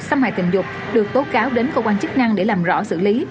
xâm hại tình dục được tố cáo đến công an chức năng để làm rõ xử lý